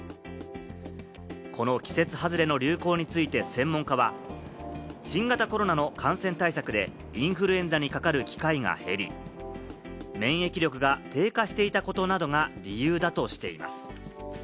この季節外れの流行について専門家は、新型コロナの感染対策でインフルエンザにかかる機会が減り、免疫力が低下していたことなどが理由だとしています。